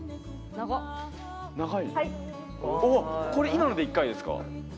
今ので１回ですか？